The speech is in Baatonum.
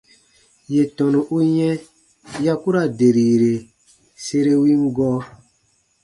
Yè tɔnu u yɛ̃ ya ku ra derire sere win gɔɔ.